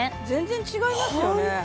全然違いますよね